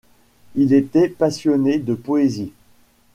Il était passionné de poésie.